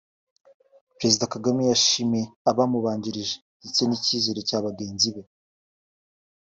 Perezida Kagame yashimiye abamubanjirije ndetse n’icyizere cya bagenzi be